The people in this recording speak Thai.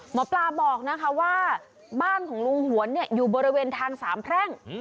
หมอปลาบอกนะคะว่าบ้านของลุงหวนอยู่บริเวณทางสามแพร่ง